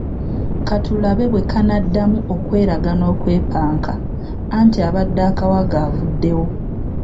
Ka tulabe bwe kanaddamu okweraga n'okwepanka, anti abadde akawaga avuddewo.